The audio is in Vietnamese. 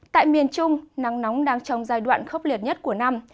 tại miền trung nắng nóng đang trong giai đoạn khốc liệt nhất của năm